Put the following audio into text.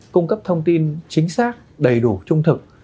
cung cấp thông tin chính xác đầy đủ trung thực